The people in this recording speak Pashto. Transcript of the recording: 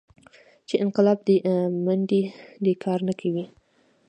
چې انقلاب دې منډې کار نه دى.